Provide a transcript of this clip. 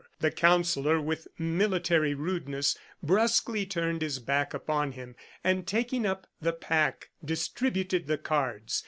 The Counsellor, with military rudeness, brusquely turned his back upon him, and taking up the pack, distributed the cards.